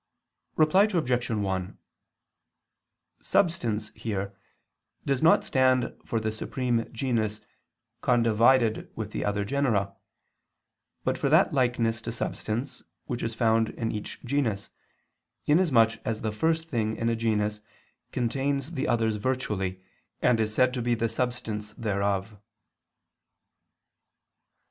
Reply Obj. 1: "Substance" here does not stand for the supreme genus condivided with the other genera, but for that likeness to substance which is found in each genus, inasmuch as the first thing in a genus contains the others virtually and is said to be the substance thereof.